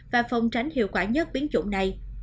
và phòng tránh hiệu quả nhất biến chủng này